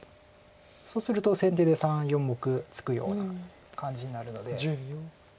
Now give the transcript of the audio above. そうすると先手で３４目つくような感じになるので。